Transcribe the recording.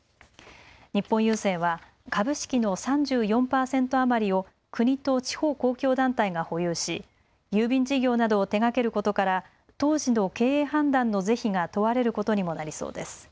日本郵政は株式の３４％余りを国と地方公共団体が保有し郵便事業などを手がけることから当時の経営判断の是非が問われることにもなりそうです。